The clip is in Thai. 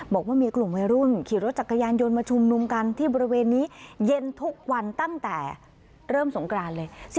บอกว่ามีกลุ่มวัยรุ่นขี่รถจักรยานยนต์มาชุมนุมกันที่บริเวณนี้เย็นทุกวันตั้งแต่เริ่มสงกรานเลย